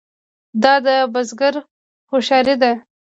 دا د بزګر هوښیاري ده.